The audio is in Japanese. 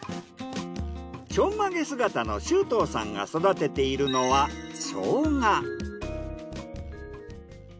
ちょんまげ姿の周東さんが育てているのはショウガ。